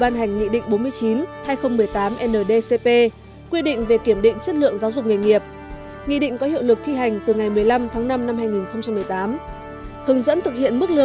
ban hành mức thu chế độ thu nộp và quản lý phí thẩm định công nhận hãng cơ sở lưu trú du lịch